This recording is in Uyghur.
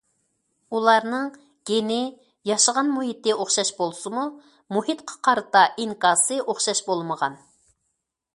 ئۇلارنىڭ گېنى، ياشىغان مۇھىتى ئوخشاش بولسىمۇ، مۇھىتقا قارىتا ئىنكاسى ئوخشاش بولمىغان.